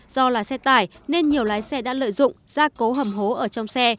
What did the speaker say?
do là xe tải nên nhiều lái xe đã lợi dụng gia cấu hầm hố ở trong xe